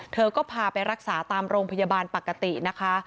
เธอก็พาไปรักษาตามโรงพยาบาลปกตินะคะ